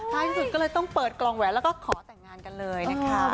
ท้ายสุดก็เลยต้องเปิดกล่องแหวนแล้วก็ขอแต่งงานกันเลยนะคะ